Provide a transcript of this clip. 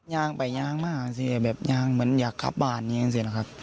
ยางไปยางมาสิแบบยางเหมือนอยากกลับบ้านอย่างนั้นสินะครับ